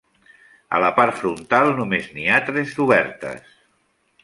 A la part frontal només n'hi ha tres d'obertes.